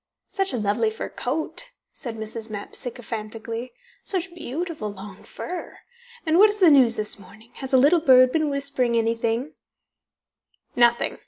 "Such a lovely fur coat," said Mrs. Mapp sycophantically. "Such beautiful long fur! And what is the news this morning? Has a little bird been whispering anything?"